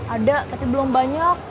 ada tapi belum banyak